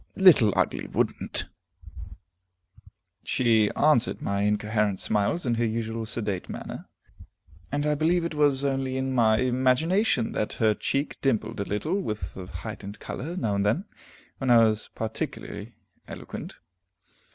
Little Ugly would'nt! She answered my incoherent sallies in her usual sedate manner, and I believe it was only in my imagination that her cheek dimpled a little, with a heightened color, now and then, when I was particularly eloquent.